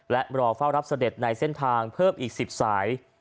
และรอเฝ้ารับเสด็จในเส้นทางเพิ่มอีก๑๐สาย